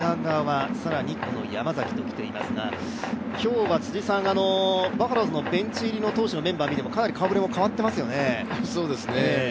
ここまで山岡、宇田川、更に山崎と来ていますが今日は辻さん、バファローズのベンチ入りの投手を見てもかなり顔ぶれも変わっていますよね。